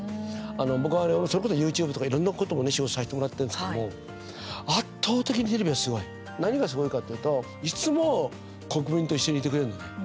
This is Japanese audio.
僕はそれこそＹｏｕＴｕｂｅとかいろんなこともね、仕事させてもらってるんですけども圧倒的にテレビがすごい。何がすごいかっていうといつも国民と一緒にいてくれるんですね。